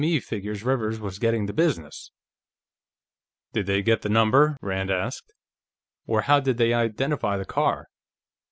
E. figures Rivers was getting the business." "Did they get the number?" Rand asked. "Or how did they identify the car?"